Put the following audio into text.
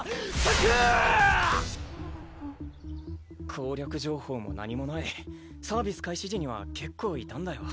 攻略情報も何もないサービス開始時には結構いたんだよ